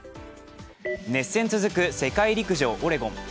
熱戦続く世界陸上オレゴン。